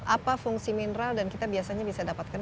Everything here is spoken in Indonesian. apa fungsi mineral dan kita biasanya bisa dapatkan